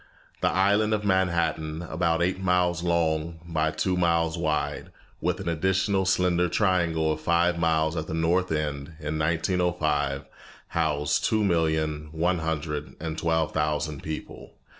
The island of Manhattan, about eight miles long by two miles wide, with an additional slender triangle of five miles at the north end, in 1905, housed two million one hundred and twelve thousand people.